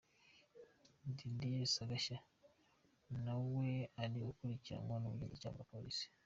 Didier Sagashya na we ari gukurikiranwa n’ubugenzacyaha bwa Polisi.